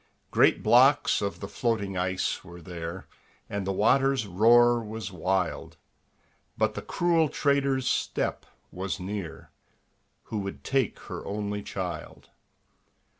Great blocks of the floating ice were there, And the water's roar was wild, But the cruel trader's step was near, Who would take her only child.